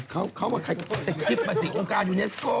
เขาค่อยคะจัดคิดมาสิองค์การยูเนสโก้